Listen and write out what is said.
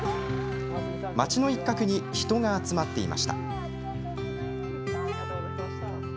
町の一角に人が集まっていました。